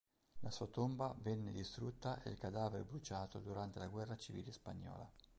La sua tomba venne distrutta e il cadavere bruciato durante la Guerra civile spagnola.